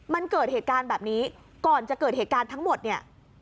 มันเกิดเหตุการณ์แบบนี้ก่อนจะเกิดเหตุการณ์ทั้งหมดเนี่ย